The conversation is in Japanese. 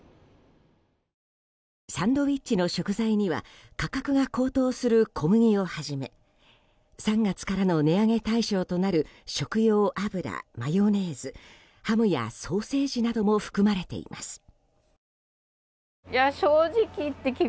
サンドイッチの食材には価格が高騰する小麦をはじめ３月からの値上げ対象となる食用油、マヨネーズハムやソーセージなども含まれています。